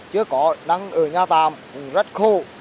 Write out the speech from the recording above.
chưa có đang ở nhà tàm rất khô